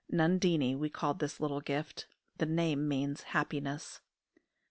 Nundinie we called this little gift: the name means Happiness.